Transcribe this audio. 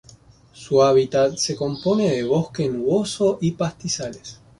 Su hábitat se compone de bosque nuboso y pastizales.